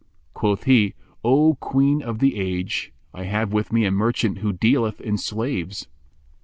"" Quoth he, "O Queen of the Age, I have with me a merchant who dealeth in slaves."